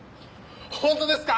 本当ですか！？